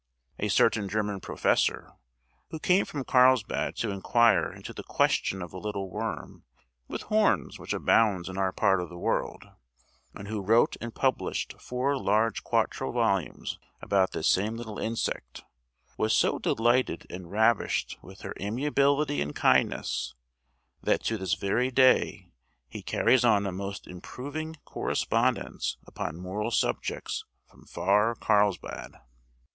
A certain German professor, who came from Carlsbad to inquire into the question of a little worm with horns which abounds in our part of the world, and who wrote and published four large quarto volumes about this same little insect, was so delighted and ravished with her amiability and kindness that to this very day he carries on a most improving correspondence upon moral subjects from far Carlsbad!